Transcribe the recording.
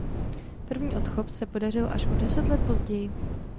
První odchov se podařil až o deset let později.